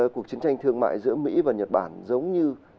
cuộc chiến tranh thương mại giữa mỹ và nhật bản giống như